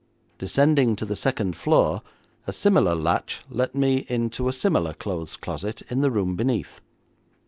Descending to the second floor, a similar latch let me in to a similar clothes closet in the room beneath.